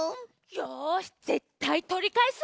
よしぜったいとりかえすわ！